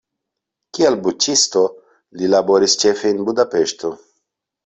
Kiel buĉisto li laboris ĉefe en Budapeŝto.